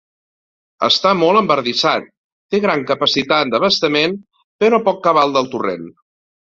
Està molt embardissat, té gran capacitat d'abastament però poc cabal del torrent.